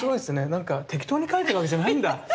なんか適当にかいてるわけじゃないんだ。